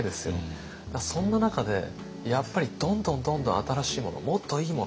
そんな中でやっぱりどんどんどんどん新しいものもっといいもの